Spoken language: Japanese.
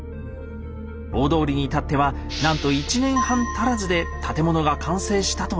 大通りに至ってはなんと１年半足らずで建物が完成したといいます。